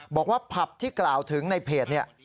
บอกว่าผับที่กล่าวถึงในเพจเนี่ย